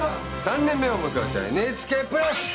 ３年目を迎えたＮＨＫプラス！